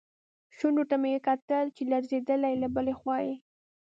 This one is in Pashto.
شونډو ته مې یې کتل چې لړزېدلې، له بلې خوا یې.